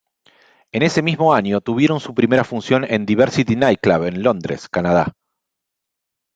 En ese mismo año tuvieron su primera función en Diversity Nightclub en Londres, Canadá.